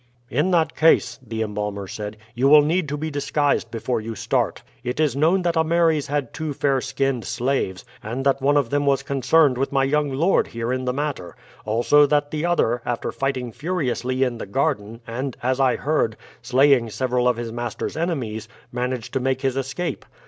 "In that case," the embalmer said, "you will need to be disguised before you start. It is known that Ameres had two fair skinned slaves, and that one of them was concerned with my young lord here in the matter; also that the other, after fighting furiously in the garden, and, as I heard, slaying several of his master's enemies, managed to make his escape.